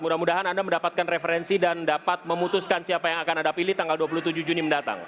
mudah mudahan anda mendapatkan referensi dan dapat memutuskan siapa yang akan anda pilih tanggal dua puluh tujuh juni mendatang